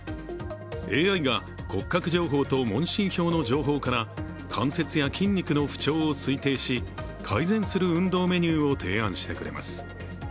ＡＩが骨格情報と問診票の情報から関節や筋肉の不調を推定し改善する運動メニューを提案してくれます。